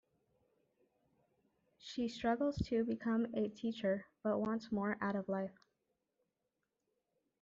She struggles to become a teacher, but wants more out of life.